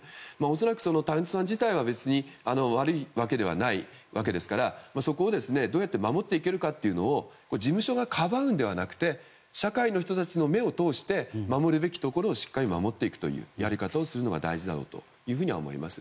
恐らくタレントさん自体は別に悪いわけではないですからそこをどうやって守っていけるかというのを事務所がかばうのではなくて社会の人たちの目を通して守るべきところをしっかり守っていくやり方をするのが大事だろうと思います。